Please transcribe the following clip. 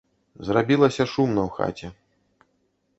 Зрабілася шумна ў хаце.